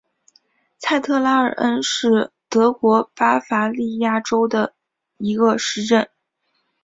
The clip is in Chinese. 蔡特拉尔恩是德国巴伐利亚州的一个市镇。